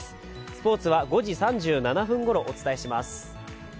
スポーツは５時３７分ごろお伝えします。